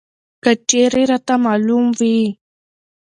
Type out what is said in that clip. که چېرې راته معلوم وى!